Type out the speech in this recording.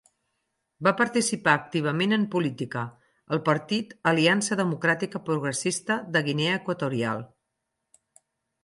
Va participar activament en política, al partit Aliança Democràtica Progressista de Guinea Equatorial.